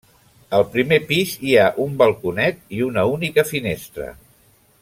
Al primer pis hi ha un balconet i una única finestra.